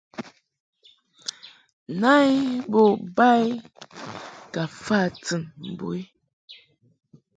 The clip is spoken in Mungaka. Na I bo ba I ka fa tɨn mbo i.